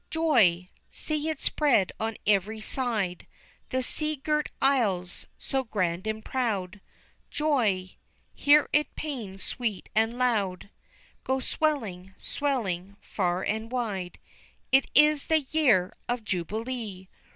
Joy! See it spread on every side The sea girt Isles, so grand and proud, Joy! Hear its paean sweet and loud Go swelling swelling far and wide; _It is the YEAR of JUBILEE!